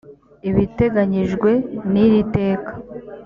ibiteganyijwe n iri teka